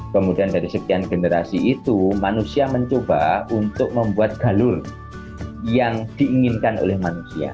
kemudian dari sekian generasi itu manusia mencoba untuk membuat galur yang diinginkan oleh manusia